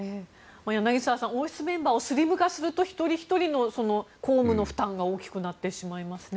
柳澤さん、王室メンバーをスリム化すると一人ひとりの公務の負担が大きくなってしまいますね。